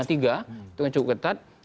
itu yang cukup ketat